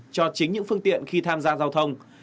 cho chính những phương tiện khi tham gia giao thông